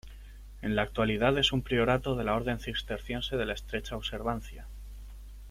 En la actualidad es un priorato de la Orden Cisterciense de la Estrecha Observancia.